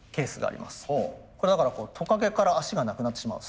だからトカゲから脚がなくなってしまう。